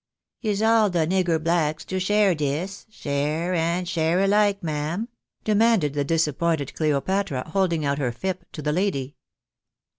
"" Is all the nigger blacks to share dis, share and share ahke, ma'am ?" demanded the disappointed Cleopatra, holding out her fip' to the lady.